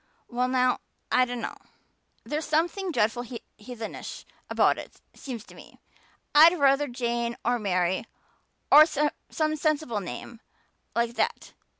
"Well now, I dunno. There's something dreadful heathenish about it, seems to me. I'd ruther Jane or Mary or some sensible name like that.